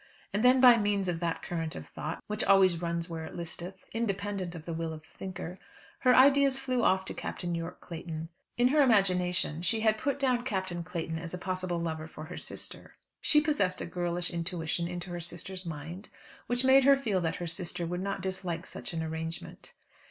And then by means of that current of thought, which always runs where it listeth, independent of the will of the thinker, her ideas flew off to Captain Yorke Clayton. In her imagination she had put down Captain Clayton as a possible lover for her sister. She possessed a girlish intuition into her sister's mind which made her feel that her sister would not dislike such an arrangement.